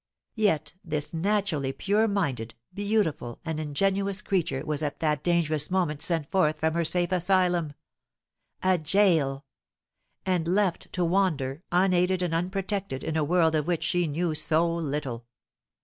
Yet this naturally pure minded, beautiful, and ingenuous creature was at that dangerous moment sent forth from her safe asylum a gaol and left to wander unaided and unprotected in a world of which she knew so little!